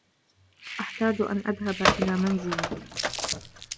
أحتاج أن أذهب إلى منزلي.